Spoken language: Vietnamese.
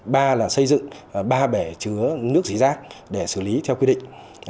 ba là xây dựng ba bẻ chứa nước dị rác để xử lý theo quy định